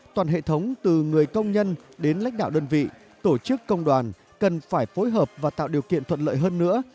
toàn hệ thống từ người công nhân đến lãnh đạo đơn vị tổ chức công đoàn cần phải phối hợp và tạo điều kiện thuận lợi hơn nữa